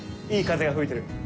いい風が吹いてる。